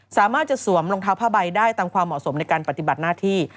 สามารถจะสวมรองเท้าผ้าใบได้ตามความเหมาะสมในการปฏิบัติหน้าที่